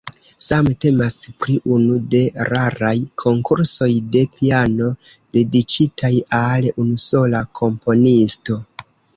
Same temas pri unu de raraj konkursoj de piano dediĉitaj al unusola komponisto.